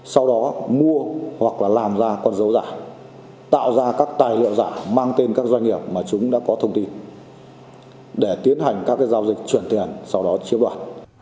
sau đó mua hoặc là làm ra con dấu giả tạo ra các tài liệu giả mang tên các doanh nghiệp mà chúng đã có thông tin để tiến hành các giao dịch chuyển tiền sau đó chiếm đoạt